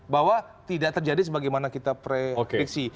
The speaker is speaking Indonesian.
bahwa tidak terjadi sebagaimana kita prediksi